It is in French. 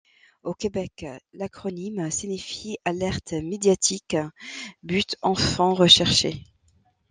Au Québec, l’acronyme signifie Alerte Médiatique But Enfant Recherché.